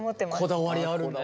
こだわりあるんだ。